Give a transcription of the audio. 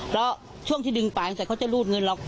แล้วช่วงที่ดึงตายพอเขาจะลูดเงินเรา